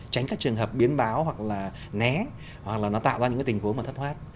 tránh các trường hợp biến báo hoặc là né hoặc là nó tạo ra những tình huống mà thất thoát